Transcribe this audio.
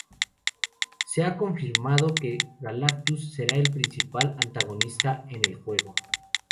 Se ha confirmado que Galactus será el principal antagonista en el juego.